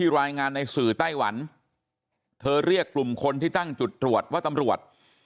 รายงานในสื่อไต้หวันเธอเรียกกลุ่มคนที่ตั้งจุดตรวจว่าตำรวจ